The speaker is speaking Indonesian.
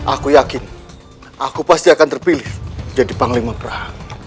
aku yakin aku pasti akan terpilih jadi panglima praha